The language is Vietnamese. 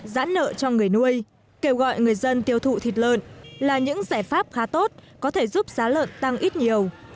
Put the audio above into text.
giãn nợ cho người nuôi kêu gọi người dân tiêu thụ thịt lợn là những giải pháp khá tốt có thể giúp giá lợn tăng ít nhiều